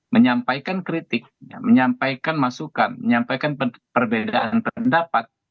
menyampaikan kritik menyampaikan masukan menyampaikan perbedaan pendapat